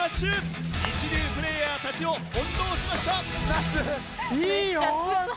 一流プレーヤーたちを翻弄しました！